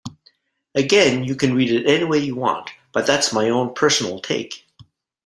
Again, you can read it anyway you want, but that's my own personal take!